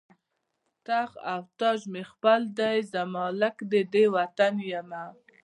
تخت او تاج مې خپل دی، زه مالک د دې وطن یمه